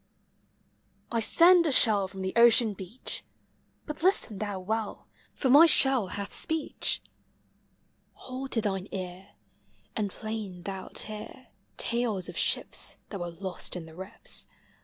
I bend a shell from the ocean beach; Hut listen thou well, for mv shell hath speech. Hold to thine ear, And plain thou 'It hear Talcs of ships Thai were lost in the rips.